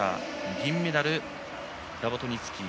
銀メダル、ラボトニツキー。